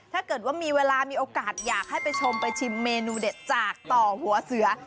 ถ้าเกิดว่ามีเวลามีโอกาสอยากให้ไปชมไปชิมเมนูเด็ดจากต่อหัวเสือ